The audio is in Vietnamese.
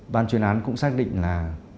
bàn chuyên án cũng xác định là